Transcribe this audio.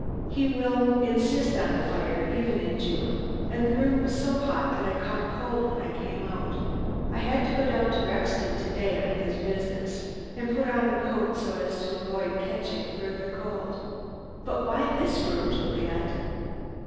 He will insist on a fire even in June, and the room was so hot that I caught cold when I came out. I had to go down to Rexton to day on his business, and put on a coat so as to avoid catching further cold. But why this room, Juliet?"